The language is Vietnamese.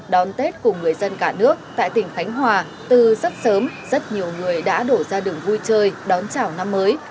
đón tết cùng người dân cả nước tại tỉnh khánh hòa từ rất sớm rất nhiều người đã đổ ra đường vui chơi đón chào năm mới